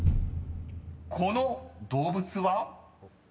［この動物は？］